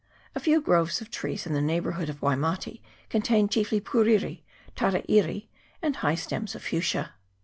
A few groves of trees in the neighbour hood of Waimate contain chiefly puriri, tarairi, and high stems of fuchsia.